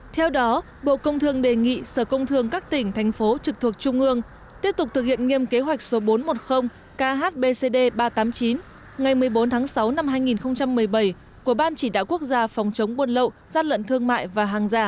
theo đó bộ công thương đề nghị sở công thương các tỉnh thành phố trực thuộc trung ương tiếp tục thực hiện nghiêm kế hoạch số bốn trăm một mươi khbcd ba trăm tám mươi chín ngày một mươi bốn tháng sáu năm hai nghìn một mươi bảy của ban chỉ đạo quốc gia phòng chống buôn lậu gian lận thương mại và hàng giả